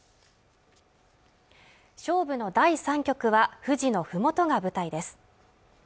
勝負の第３局は富士の麓が舞台です